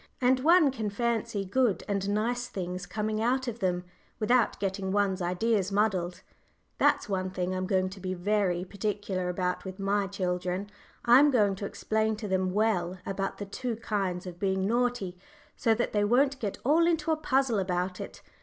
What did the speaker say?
And one can fancy good and nice things coming out of them without getting one's ideas muddled. That's one thing I'm going to be very particular about with my children I'm going to explain to them well about the two kinds of being naughty, so that they won't get all into a puzzle about it.